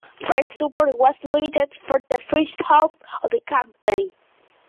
Fire support was limited for the first half of the campaign.